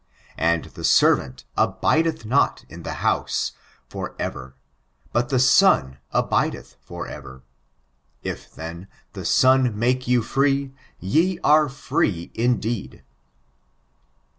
And the servant abideth not in the house [the femily apartment] for ever: but the son abideth ever. If, then, the Son make you free, ye are free indeed."